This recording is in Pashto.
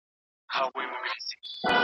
د پانوس تر سره انګاره پتنګان ولي راځي